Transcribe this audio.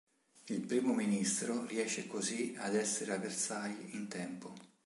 Il Primo Ministro riesce così ad essere a Versailles in tempo.